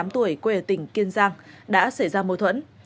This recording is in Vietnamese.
hai mươi tám tuổi quê ở tỉnh kiên giang đã xảy ra mối thuẫn